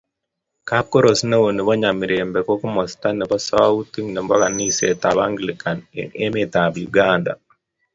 Kapkoros neo nebo Namirembe ko komasta nebo sautiik nebo kanisetab anglican eng emetab Uganda.